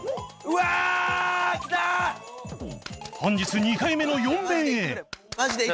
本日２回目の４面へ！